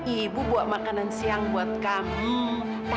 ibu bawa makanan siang buat kamu